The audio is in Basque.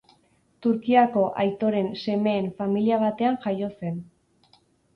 Turkiako aitoren semeen familia batean jaio zen.